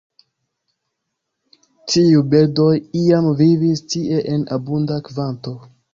Tiuj birdoj iam vivis tie en abunda kvanto.